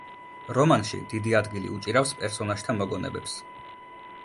რომანში დიდი ადგილი უჭირავს პერსონაჟთა მოგონებებს.